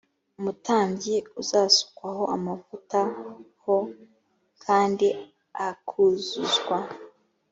umutambyi uzasukwaho amavuta h kandi akuzuzwa